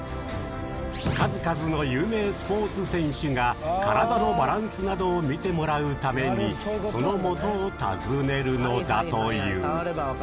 数々の有名スポーツ選手が体のバランスなどをみてもらうために、そのもとを訪ねるのだという。